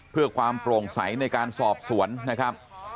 เพื่อความโปร่งใสในการสอบสวนนะครับ